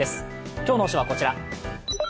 今日の推しはこちら。